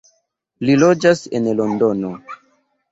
Li loĝas en Londono.